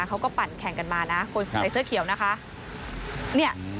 ปั่นแข่งกันมานะคนใส่เสื้อเขียวนะคะ